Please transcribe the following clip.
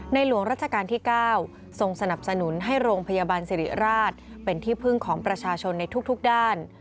หลวงราชการที่๙ทรงสนับสนุนให้โรงพยาบาลสิริราชเป็นที่พึ่งของประชาชนในทุกด้าน